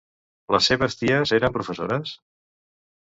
Les seves ties eren professores?